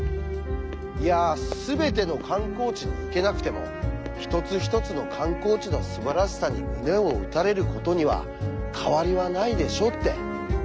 いやすべての観光地に行けなくても一つ一つの観光地のすばらしさに胸を打たれることには変わりはないでしょうって。